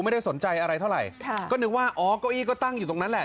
ไม่ได้สนใจอะไรเท่าไหร่ค่ะก็นึกว่าอ๋อเก้าอี้ก็ตั้งอยู่ตรงนั้นแหละ